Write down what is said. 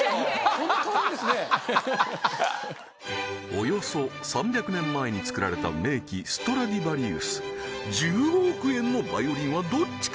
およそ３００年前に作られた名器ストラディヴァリウス１５億円のバイオリンはどっちか？